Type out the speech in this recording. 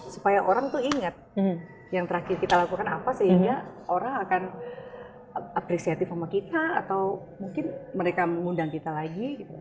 supaya orang tuh inget yang terakhir kita lakukan apa sehingga orang akan apresiatif sama kita atau mungkin mereka mengundang kita lagi